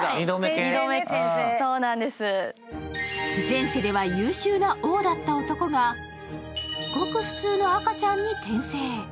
前世では優秀な王だった男がごく普通の赤ちゃんに転生。